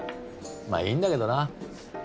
まあいいんだけどな。